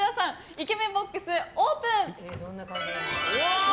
イケメンボックス、オープン。